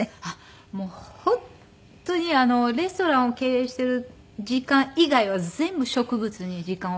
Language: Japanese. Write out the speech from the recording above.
もう本当にレストランを経営している時間以外は全部植物に時間を。